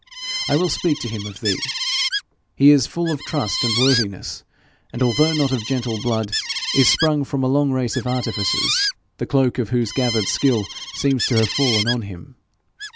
I will speak to him of thee. He is full of trust and worthiness, and, although not of gentle blood, is sprung from a long race of artificers, the cloak of whose gathered skill seems to have fallen on him.